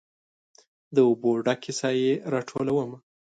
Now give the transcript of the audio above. د اوبو ډ کې سائې راټولومه